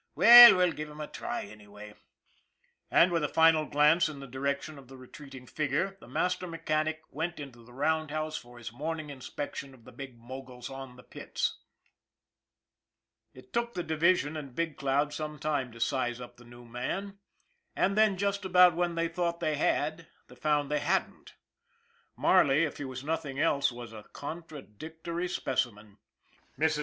Well, we'll give him a try anyway," and, with a final glance in the direction of the retreating figure, the master mechanic went into the roundhouse for his morning inspection of the big moguls on the pits. It took the division and Big Cloud some time to size up the new man, and then just about when they thought they had they found they hadn't. Marley, if he was nothing else, was a contradictory specimen. Mrs.